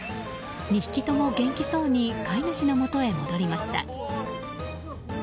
２匹とも元気そうに飼い主の元へと戻りました。